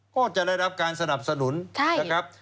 ก็จะได้รับการสนับสนุนนะครับ